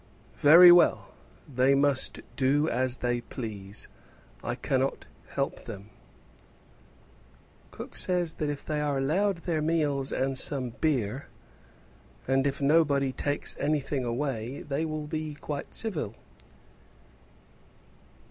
"Very well; they must do as they please; I cannot help them." "Cook says that if they are allowed their meals and some beer, and if nobody takes anything away, they will be quite civil."